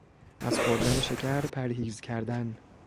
از خوردن شکر پرهیز کردن